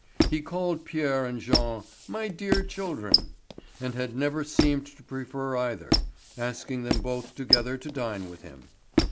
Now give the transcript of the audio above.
He called Pierre and Jean "my dear children," and had never seemed to prefer either, asking them both together to dine with him.